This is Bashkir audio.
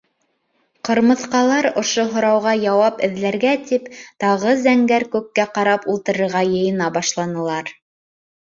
Ҡырмыҫҡалар ошо һорауға яуап эҙләргә тип, тағы зәңгәр күккә ҡарап ултырырға йыйына башланылар.